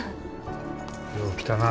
よう来たな。